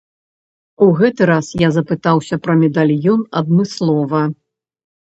У гэты раз я запытаўся пра медальён адмыслова.